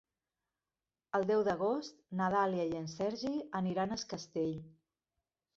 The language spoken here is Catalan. El deu d'agost na Dàlia i en Sergi aniran a Es Castell.